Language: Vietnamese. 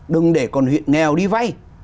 đừng để còn huyện nghèo đi vay